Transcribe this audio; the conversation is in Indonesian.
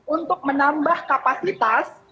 untuk menambah kapasitas